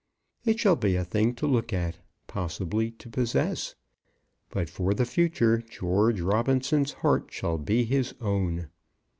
It shall be a thing to look at, possibly to possess. But for the future George Robinson's heart shall be his own.